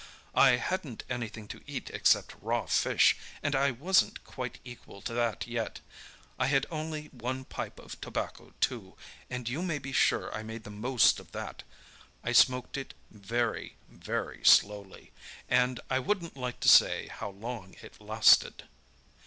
I hadn't anything to eat except raw fish, and I wasn't quite equal to that yet. I had only one pipe of tobacco too, and you may be sure I made the most of that, I smoked it very, very slowly, and I wouldn't like to say how long it lasted.